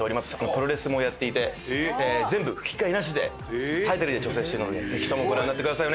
プロレスもやっていて全部吹き替えなしで体当たりで挑戦してるのでぜひともご覧になってください。